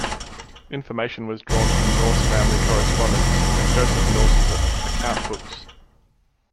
Information was drawn from Nourse family correspondence and Joseph Nourse's account books.